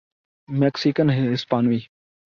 Mexican ہسپانوی